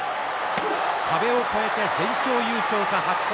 壁を越えて全勝優勝か白鵬。